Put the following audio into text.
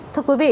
thưa quý vị